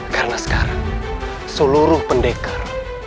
karena sekarang seluruh pendekar